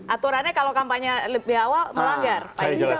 aturannya kalau kampanye lebih awal melanggar